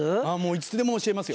いつでも教えますよ。